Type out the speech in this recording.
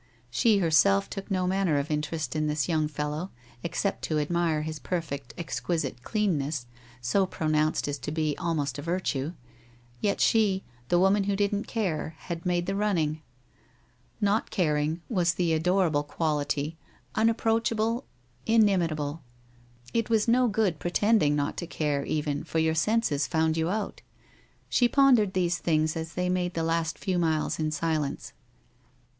She herself took no manner of interest in this young fellow, except to admire his perfect, exquisite cleanness, so pronounced as to be almost a virtue; yet she, the woman who didn't care, had made the running !' Not caring ' was the adorable quality, unapproachable, inimitable. It was no good pretending not to care, even, for your senses found yon out. She pondered these things as they made the last ^w miles in silence.